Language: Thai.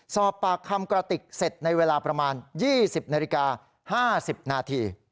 สอบปากคำกระติกเสร็จในเวลาประมาณ๒๐นาฬิกา๕๐นาที